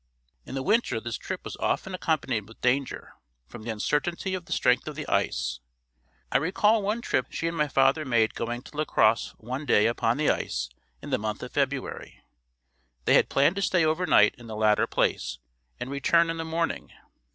In the winter this trip was often accompanied with danger, from the uncertainty of the strength of the ice. I recall one trip she and my father made going to La Crosse one day upon the ice in the month of February. They had planned to stay over night in the latter place and return in the morning.